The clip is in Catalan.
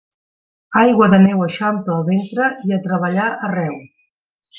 Aigua de neu eixampla el ventre i a treballar arreu.